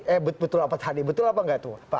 eh betul apa tadi betul apa nggak tuh